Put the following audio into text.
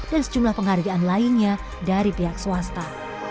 dan sejumlah penghargaan lainnya dari pihak swasta